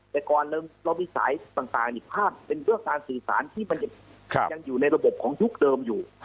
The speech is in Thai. แต่ก่อนเรามีสายต่างภาพเป็นเรื่องการสื่อสารที่มันยังอยู่ในระบบของยุคเดิมอยู่